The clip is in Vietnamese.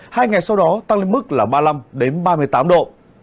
hai ngày sau đó tăng lên mức là ba mươi năm ba mươi tám độ